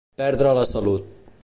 Perdre la salut.